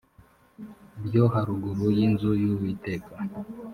ryo haruguru y inzu y uwiteka